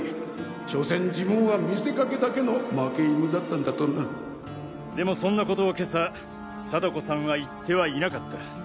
所詮自分は見せかけだけの負け犬だったんだとなでもそんなことを今朝貞子さんは言ってはいなかった。